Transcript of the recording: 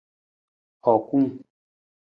Hokung.